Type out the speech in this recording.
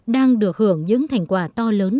đang được hưởng những thành quả to lớn